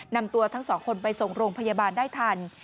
นำตัวทั้งสองคนไปส่งโรงพยาบาลได้ทัน